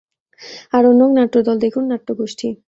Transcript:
আরণ্যক নাট্যদল দেখুন নাট্যগোষ্ঠী।